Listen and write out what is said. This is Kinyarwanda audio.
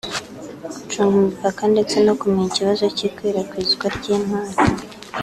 gucunga imipaka ndetse no kumenya ikibazo cy’ikwirakwizwa ry’intwaro